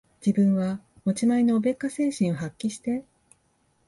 自分は持ち前のおべっか精神を発揮して、